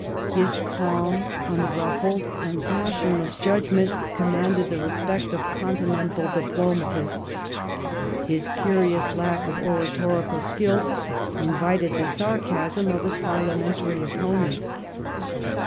His calm, unruffled, and passionless judgment commanded the respect of continental diplomatists ; his curious lack of oratorical skill invited the sarcasm of his parliamentary opponents.